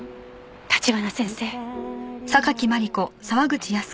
橘先生。